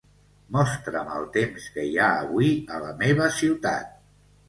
Mostra'm el temps que hi ha avui a la meva ciutat.